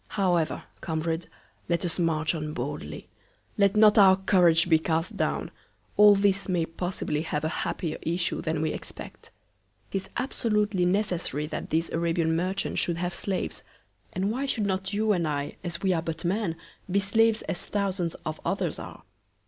However, Comrade, let us march on boldly; let not our Courage be cast down; all this may possibly have a happier Issue than we expect. 'Tis absolutely necessary that these Arabian Merchants should have Slaves, and why should not you and I, as we are but Men, be Slaves as Thousands of others are?